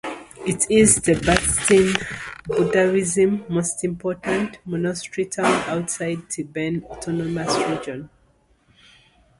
It is Tibetan Buddhism's most important monastery town outside the Tibetan Autonomous Region.